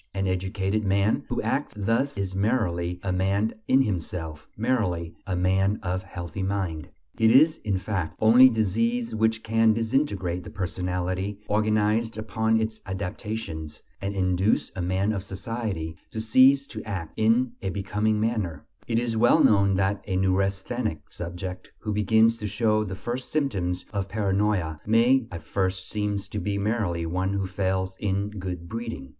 An educated man who acts thus is merely a man in himself, merely a man of "healthy mind." It is, in fact, only disease which can disintegrate the personality organized upon its adaptations, and induce a man of society to cease to act in a becoming manner; it is well known that a neurasthenic subject who begins to show the first symptoms of paranoia, may at first seem to be merely one who fails in good breeding.